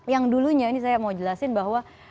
yang dulunya ini saya mau jelasin bahwa